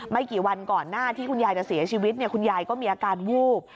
กี่วันก่อนหน้าที่คุณยายจะเสียชีวิตคุณยายก็มีอาการวูบ